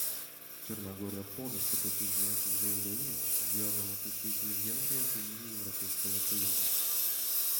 Черногория полностью присоединяется к заявлению, сделанному представителем Венгрии от имени Европейского союза.